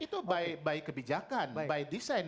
itu by kebijakan by design